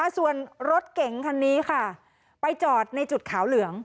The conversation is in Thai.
ส่วนรถเก๋งคันนี้ค่ะไปจอดในจุดขาวเหลือง